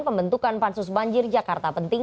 pembentukan pansus banjir jakarta penting